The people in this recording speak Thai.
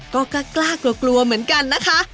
ก็กล้ากลัวกลัวเหมือนกันนะคะ